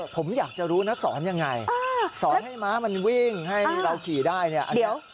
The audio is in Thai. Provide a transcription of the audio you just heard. ผมอยากจะรู้นะสอนยังไงสอนให้ม้ามันวิ่งให้เราขี่ได้เนี่ย